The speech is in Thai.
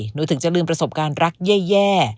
หนูถึงจะลืมประสบการณ์รักแย่